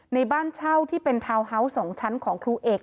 ในบ้านเช่าที่เป็นทาวน์ฮาวส์๒ชั้นของครูเอก